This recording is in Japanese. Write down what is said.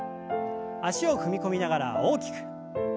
脚を踏み込みながら大きく。